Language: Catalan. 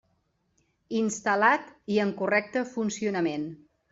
Instal·lat i en correcte funcionament.